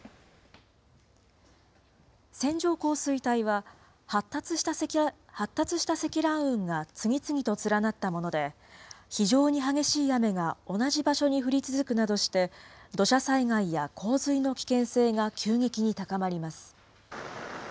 線状降水帯は、発達した積乱雲が次々と連なったもので、非常に激しい雨が同じ場所に降り続くなどして、土砂災害や洪水の危険性が急激に高まります。